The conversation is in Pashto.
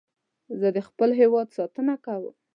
زه د خپل هېواد ساتنه کوم